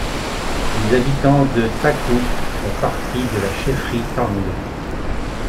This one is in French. Les habitants de Taku font partie de la chefferie Tang.